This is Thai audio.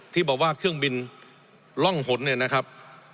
ที่บอกว่าเครื่องบินร่องหนเนี่ยนะครับ